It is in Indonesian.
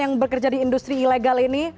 yang bekerja di industri ilegal ini